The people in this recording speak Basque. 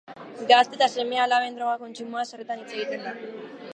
Gazte eta seme-alaben droga kontsumoaz sarritan hitz egiten da.